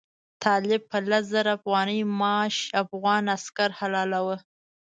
طالب په لس زره افغانۍ معاش افغان عسکر حلالاوه.